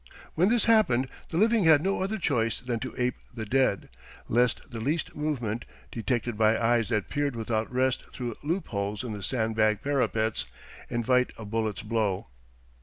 When this happened, the living had no other choice than to ape the dead, lest the least movement, detected by eyes that peered without rest through loopholes in the sandbag parapets, invite a bullet's blow.